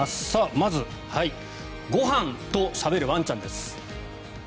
まず、ご飯としゃべるワンちゃんです。